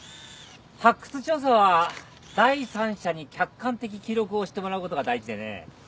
発掘調査は第三者に客観的記録をしてもらうことが大事でね。